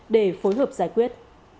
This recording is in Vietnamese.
để phối hợp giải quyết